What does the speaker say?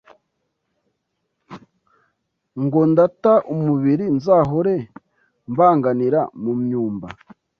Ngo ndata umubiri nzahore mbanganira mu Myumba